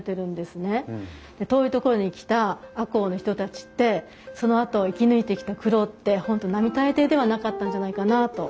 遠い所に来た赤穂の人たちってそのあと生き抜いてきた苦労って本当並大抵ではなかったんじゃないかなあと。